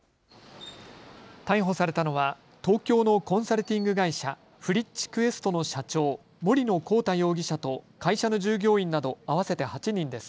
逮捕されたのは東京のコンサルティング会社、ＦＲｉｃｈＱｕｅｓｔの社長、森野広太容疑者と会社の従業員など合わせて８人です。